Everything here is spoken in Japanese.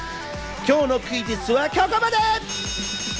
今日のクイズッスは、きょきょまで！